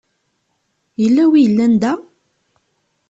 Yella win i yellan da?